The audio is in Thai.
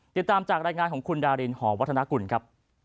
ติดตามจากรายงานของคุณดารินหอวัฒนากุลครับ